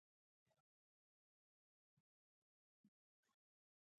غیر ضروري کیمیاوي مواد وېښتيان خرابوي.